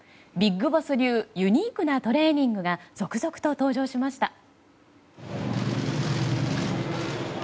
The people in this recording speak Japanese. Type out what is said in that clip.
ビッグボス流ユニークなトレーニングが続々と登場しました。